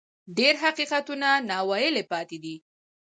ډېر حقیقتونه ناویلي پاتې دي.